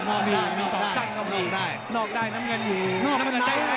โอ้โหต่างกับต่างไม่ได้ต่างกับต่าง